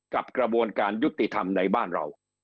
กระบวนการยุติธรรมในบ้านเรา